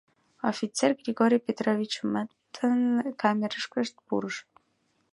Офицер Григорий Петровичмытын камерышкышт пурыш.